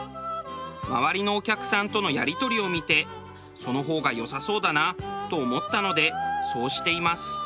周りのお客さんとのやり取りを見てその方が良さそうだなと思ったのでそうしています。